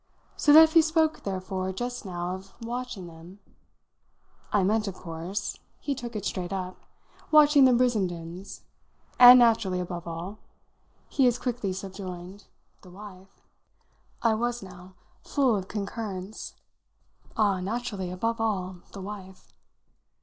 "So that if you spoke therefore just now of watching them " "I meant of course" he took it straight up "watching the Brissendens. And naturally, above all," he as quickly subjoined, "the wife." I was now full of concurrence. "Ah, naturally, above all, the wife."